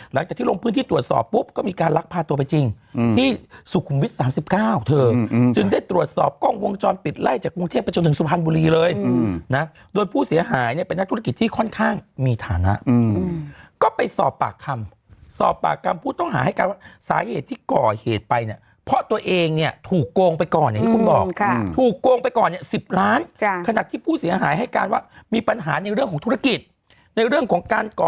หลังจากที่ลงพื้นที่ตรวจสอบปุ๊บก็มีการลักภาพันธ์ตัวไปจริงที่สุขุมวิท๓๙เธอจึงได้ตรวจสอบกล้องวงจรปิดไล่จากกรุงเทพไปจนถึงสุพรรณบุรีเลยนะโดนผู้เสียหายเนี่ยเป็นนักธุรกิจที่ค่อนข้างมีฐานะก็ไปสอบปากคำสอบปากคำผู้ต้องหาให้การว่าสาเหตุที่ก่อเหตุไปเนี่ยเพราะตัวเองเนี่ยถ